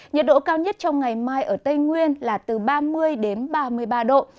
nhiệt độ cao nhất trong ngày mai ở tây nguyên là từ ba mươi đến ba mươi ba độ